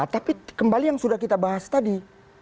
tapi kembali yang sudah kita bahas tadi